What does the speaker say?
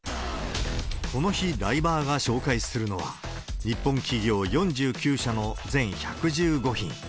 この日、ライバーが紹介するのは、日本企業４９社の全１１５品。